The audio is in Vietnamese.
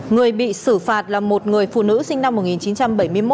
người bị xử phạt là một người phụ nữ sinh năm một nghìn chín trăm bảy mươi một